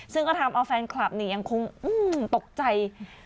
ซึ่งก็ทำเอาแฟนคลับยังคงตกใจ